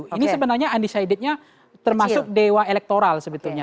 ini sebenarnya undecided nya termasuk dewa elektoral sebetulnya